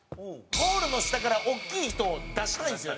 ゴールの下から大きい人を出したいんですよね。